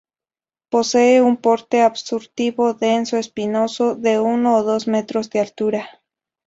Posee un porte arbustivo denso, espinoso, de uno a dos metros de altura.